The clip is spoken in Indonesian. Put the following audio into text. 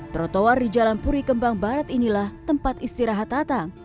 trotoar di jalan puri kembang barat inilah tempat istirahat tatang